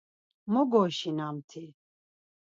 Mo goyşinam-ti.